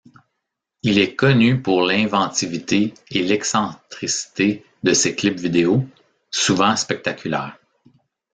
Il est connu pour l'inventivité et l'excentricité de ses clips vidéo, souvent spectaculaires.